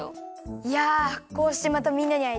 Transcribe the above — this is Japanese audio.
いやこうしてまたみんなにあえてうれしいよ。